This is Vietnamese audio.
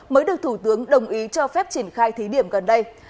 mới được thủ tướng đồng ý cho phép triển khai